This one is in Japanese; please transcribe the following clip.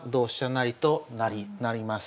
成となります。